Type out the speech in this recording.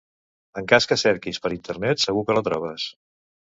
En cas que cerquis per internet, segur que la trobes.